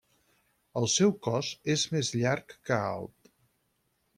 El seu cos és més llarg que alt.